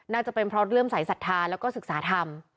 น่าจะเป็นเพราะเลื่อมสายศรัทธาแล้วก็ศึกษาธรรม